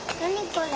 これ。